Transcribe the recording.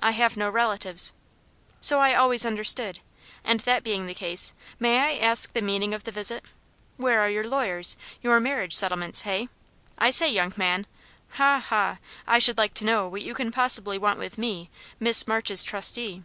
"I have no relatives." "So I always understood. And that being the case, may I ask the meaning of the visit? Where are your lawyers, your marriage settlements, hey? I say, young man ha! ha! I should like to know what you can possibly want with me, Miss March's trustee?"